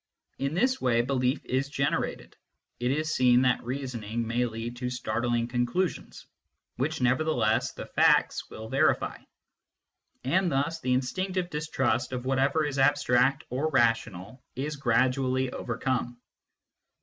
In this way belief is generated ; it is seen that reasoning may lead to startling conclusions, which nevertheless the facts will verify ; and thus the instinctive distrust of whatever is abstract or rational is gradually overcome.